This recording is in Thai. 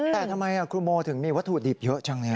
แต่ทำไมครูโมถึงมีวัตถุดิบเยอะจังเนี่ย